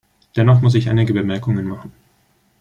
Dennoch muss ich einige Bemerkungen machen.